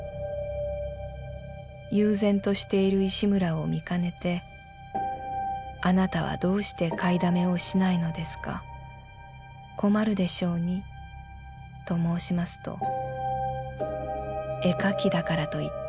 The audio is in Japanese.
悠然としている石村を見かねて『あなたはどうして買いだめをしないのですか困るでしょうに』と申しますと『絵描きだからと言って絵の具でなきゃ描けないわけじゃない。